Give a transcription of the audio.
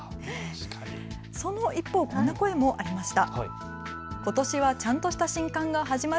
一方、こんな声もありました。